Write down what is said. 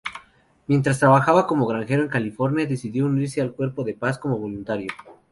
Mientras trabajaba como granjero en California, decidió unirse al Cuerpo de Paz como voluntario.